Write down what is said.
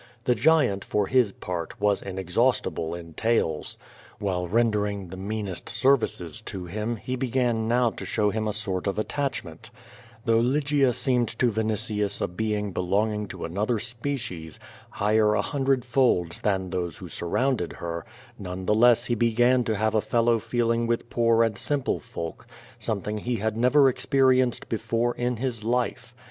The giant, for his part, was inexhaustible in talcs. While rendering the meanest 8er\ice8 to him, Crispus, he l>e gan now to show him a sort of attachment. Though Lygia scorned to Vinitius a being belonging to another 6iK?cies, high er a hundredfold than those who surrounded her, none the less he began to have a fellow feeling with poor and simple folk, something he had never cxiMjrienccd before in his life.